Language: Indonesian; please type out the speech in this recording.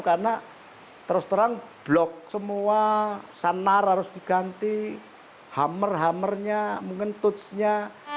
karena terus terang blok semua sanar harus diganti hammer hammernya mungkin tootsnya